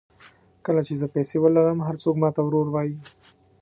کله چې زه پیسې ولرم هر څوک ماته ورور وایي.